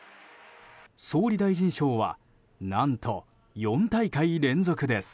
総理大臣賞は何と、４大会連続です。